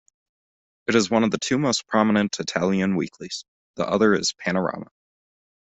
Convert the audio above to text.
It is one of the two most prominent Italian weeklies; the other is "Panorama".